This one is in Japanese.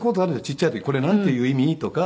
ちっちゃい時「これなんていう意味？」とか。